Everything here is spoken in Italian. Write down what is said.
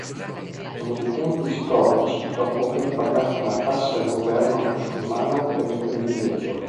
Nei tempi storici dopo aver pagato una tassa al governo musulmano per il privilegio.